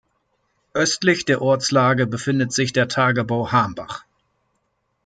Östlich der Ortslage befindet sich der Tagebau Hambach.